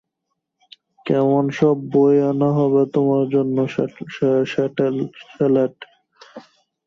কেমন সব বই আনা হবে তোমার জন্যে, শেলেট।